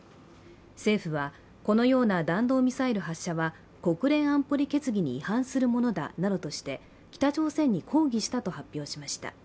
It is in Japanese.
政府は、このような弾道ミサイル発射は国連安保理決議に違反するものだなどとして北朝鮮に抗議したと発表しました。